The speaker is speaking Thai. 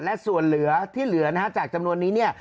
และส่วนเหลือที่เหลือนะฮะจากจำนวนนี้เนี่ย